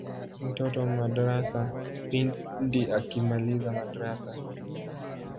mtoto madrasa pindi akimaliza madrasa